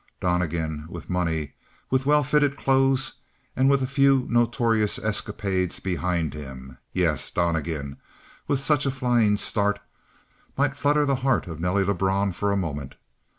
Donnegan with money, with well fitted clothes, and with a few notorious escapades behind him yes, Donnegan with such a flying start might flutter the heart of Nelly Lebrun for a moment.